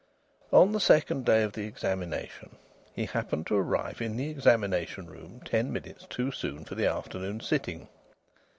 On the second day of the examination he happened to arrive in the examination room ten minutes too soon for the afternoon sitting.